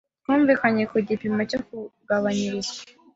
Twumvikanye ku gipimo cyo kugabanyirizwa.